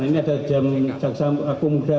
ini ada jam jaksa agung muda